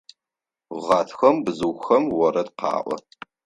Гъатхэм бзыухэм орэд къаӏо.